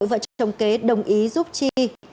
vợ chồng kế đồng ý giúp chi